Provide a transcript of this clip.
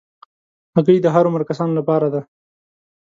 هګۍ د هر عمر کسانو لپاره ده.